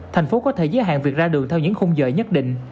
thành phố có thể giới hạn việc ra đường theo những khung giờ nhất định